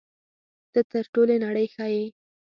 ته تر ټولې نړۍ ښه یې.